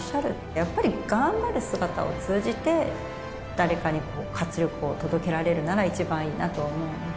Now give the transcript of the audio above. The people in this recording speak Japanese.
やっぱり頑張る姿を通じて、誰かに活力を届けられるなら一番いいなと思うんで。